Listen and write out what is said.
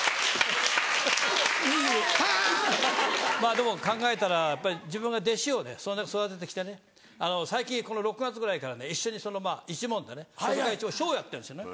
でも考えたらやっぱり自分が弟子をね育ててきてね最近この６月ぐらいからね一緒に一門でね細川一門ショーやってるんですよね。